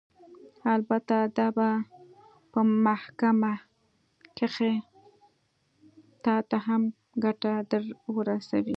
البته دا به په محکمه کښې تا ته هم ګټه درورسوي.